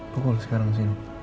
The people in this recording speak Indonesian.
pukul sekarang sini